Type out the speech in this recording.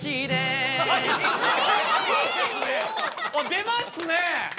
出ますね！